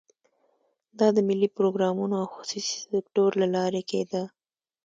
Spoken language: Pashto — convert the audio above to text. دا د ملي پروګرامونو او خصوصي سکتور له لارې کېده.